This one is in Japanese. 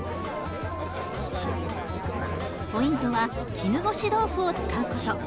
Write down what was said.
ポイントは絹ごし豆腐を使うこと。